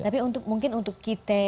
tapi mungkin untuk kita